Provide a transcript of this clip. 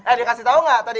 eh dikasih tahu nggak tadi